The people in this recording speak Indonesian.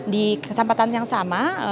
di kesempatan yang sama